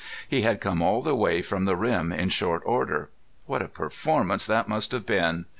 He had come all the way from the rim in short order. What a performance that must have been!